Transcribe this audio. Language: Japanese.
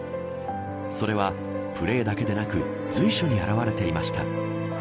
それはプレーだけでなく随所に現れていました。